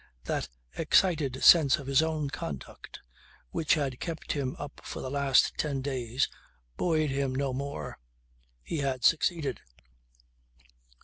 That excited sense of his own conduct which had kept him up for the last ten days buoyed him no more. He had succeeded!